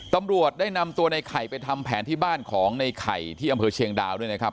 ตำรวจได้นำตัวในไข่ไปทำแผนที่บ้านของในไข่ที่อำเภอเชียงดาวด้วยนะครับ